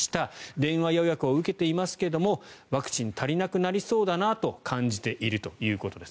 電話予約を受けていますけれどもワクチン足りなくなりそうだなと感じているということです。